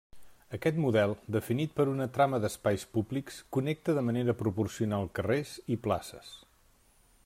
Aquest model, definit per una trama d'espais públics, connecta de manera proporcional carrers i places.